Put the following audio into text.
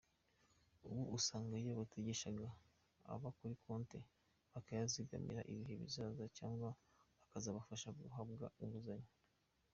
Ubu usanga ayo bategeshaga aba kuri konti, bakayazigamira ibihe bizaza cyangwa akazabafasha guhabwa inguzanyo.